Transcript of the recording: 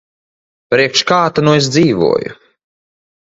Priekš kā ta nu es dzīvoju.